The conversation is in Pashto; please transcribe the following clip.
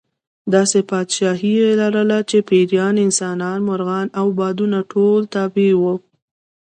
داسې پاچاهي یې لرله چې پېریان، انسانان، مرغان او بادونه ټول تابع وو.